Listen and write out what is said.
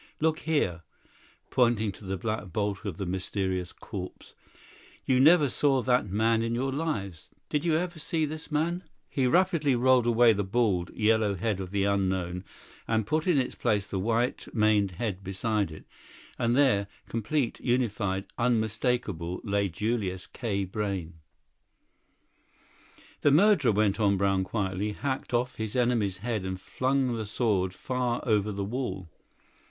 Look here!" (pointing to the black bulk of the mysterious corpse) "you never saw that man in your lives. Did you ever see this man?" He rapidly rolled away the bald, yellow head of the unknown, and put in its place the white maned head beside it. And there, complete, unified, unmistakable, lay Julius K. Brayne. "The murderer," went on Brown quietly, "hacked off his enemy's head and flung the sword far over the wall.